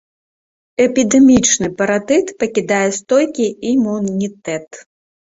Эпідэмічны паратыт пакідае стойкі імунітэт.